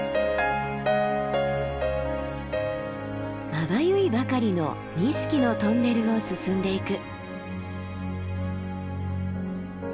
まばゆいばかりの錦のトンネルを進んでいく。